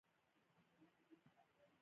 ننګرهار د افغانستان د جغرافیې بېلګه ده.